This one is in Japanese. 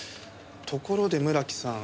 ところで村木さん。